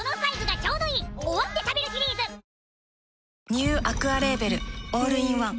ニューアクアレーベルオールインワン